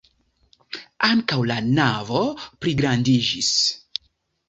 Ankaŭ la navo pligrandiĝis.